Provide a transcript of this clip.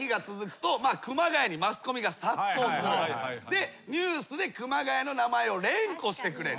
でニュースで熊谷の名前を連呼してくれる。